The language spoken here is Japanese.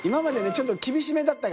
ちょっと厳しめだったからね。